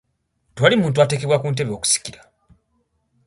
Tewali muntu atekebwa ku ntebe okusikira .